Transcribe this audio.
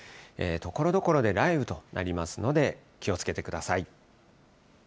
ところどころで雷雨となりますので、気をつけてください。